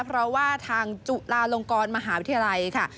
เพราะว่าทางจุฬาลงกรมหาวิทยาลัยค่ะ